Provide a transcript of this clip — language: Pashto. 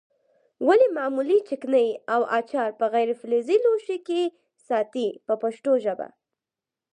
ولې معمولا چکني او اچار په غیر فلزي لوښو کې ساتي په پښتو ژبه.